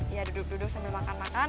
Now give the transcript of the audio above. ya duduk duduk sambil makan makan